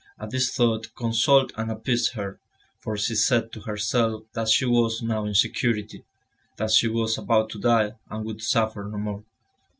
And this thought consoled and appeased her, for she said to herself that she was now in security, that she was about to die and would suffer no more.